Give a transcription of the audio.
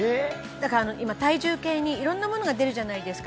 だから今体重計に色んなものが出るじゃないですか